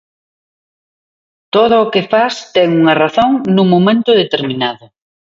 Todo o que fas ten unha razón nun momento determinado.